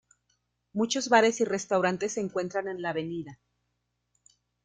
Muchos bares y restaurantes se encuentran en la avenida.